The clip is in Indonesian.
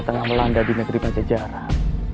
tengah melanda di negeri pajajaran